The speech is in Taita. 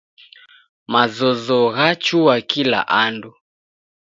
Mazozo yachua kila andu.